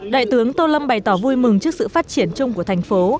đại tướng tô lâm bày tỏ vui mừng trước sự phát triển chung của thành phố